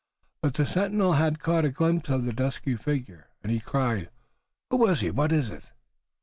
But the sentinel had caught a glimpse of the dusky figure, and he cried: "Who was he? What is it?"